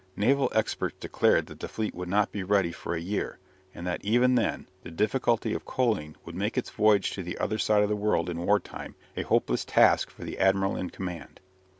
Naval experts declared that the fleet would not be ready for a year, and that even then the difficulty of coaling would make its voyage to the other side of the world in war time a hopeless task for the admiral in command.